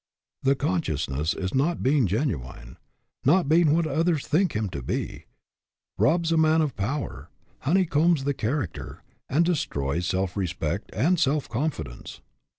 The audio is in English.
The consciousness of not being genuine, not being what others think him to be, robs a man of power, honeycombs the character, and destroys self respect and self confidence.